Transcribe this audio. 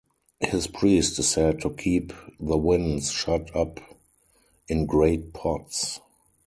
His priest is said to keep the winds shut up in great pots.